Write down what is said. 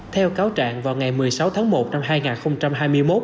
theo cáo trạng vào ngày một mươi sáu tháng một năm hai nghìn hai mươi một